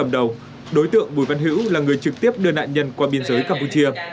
đối tượng bùi văn hữu là người trực tiếp đưa nạn nhân qua biên giới campuchia